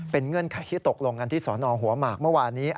เป็นเงื่อนไขที่ตกลงกันที่สนหัวหมากเมื่อวานนี้